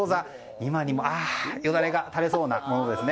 今にもよだれが垂れそうなものですね。